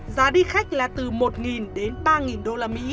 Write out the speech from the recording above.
giá đi khách là từ một đến ba đô la mỹ